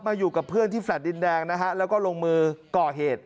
อยู่กับเพื่อนที่แฟลต์ดินแดงนะฮะแล้วก็ลงมือก่อเหตุ